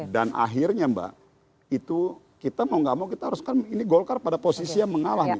dan akhirnya mbak itu kita mau gak mau kita haruskan ini golkar pada posisi yang mengalah nih